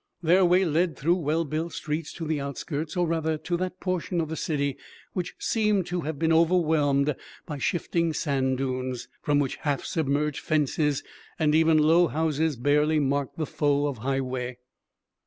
Their way led through well built streets to the outskirts, or rather to that portion of the city which seemed to have been overwhelmed by shifting sand dunes, from which half submerged fences and even low houses barely marked the foe of highway.